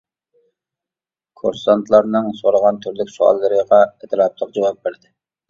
كۇرسانتلارنىڭ سورىغان تۈرلۈك سوئاللىرىغا ئەتراپلىق جاۋاب بەردى.